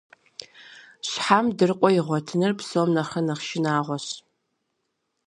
Щхьэм дыркъуэ игъуэтыныр псом нэхърэ нэхъ шынагъуэщ.